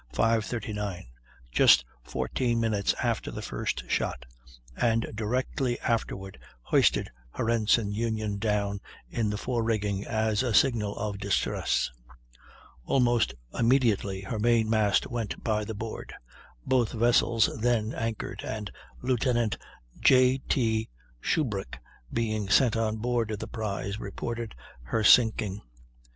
39, just 14 minutes after the first shot; and directly afterward hoisted her ensign union down in the forerigging as a signal of distress. Almost immediately her main mast went by the board. Both vessels then anchored, and Lieutenant J. T Shubrick, being sent on board the prize, reported her sinking.